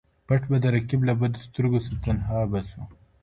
پټ به د رقیب له بدو سترګو سو تنها به سو